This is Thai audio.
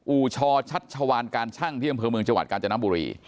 อูชอชัชวานการชั่งที่อำเภอเมืองจังหวัดกาญจนบุรี